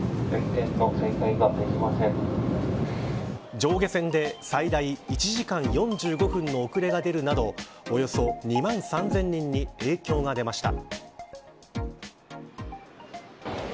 上下線で最大１時間４５分の遅れが出るなどおよそ２万３０００人に影響が出ました。